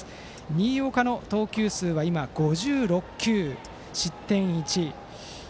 新岡の投球数は５６球。失点１。